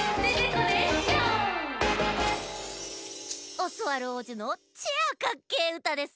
オスワルおうじのチェアカッケーうたです。